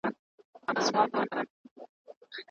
پلار د لوست لپاره ارامه فضا برابروي.